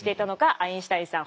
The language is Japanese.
アインシュタインさん！